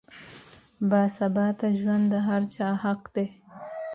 باثباته ژوند د هر چا حق دی.